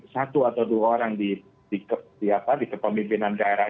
satu atau dua orang di kepemimpinan daerah